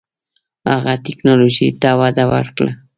هغه ټیکنالوژۍ ته وده ورکړه.